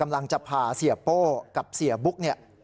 กำลังจะพาเสียโป่กับเสียบุ๊ค